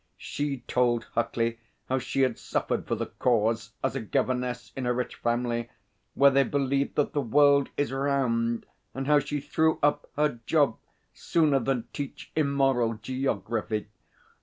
She told Huckley how she had suffered for the Cause as a governess in a rich family where they believed that the world is round, and how she threw up her job sooner than teach immoral geography.